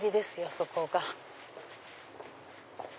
そこが。